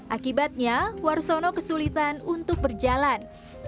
akibatnya warsono kesulitan untuk berjalan